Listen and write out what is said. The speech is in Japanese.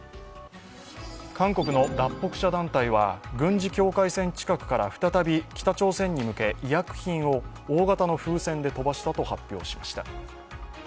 韓国の脱北者団体は軍事境界線近くから再び北朝鮮に向け医薬品を大型の風船で飛ばしたと発表しました。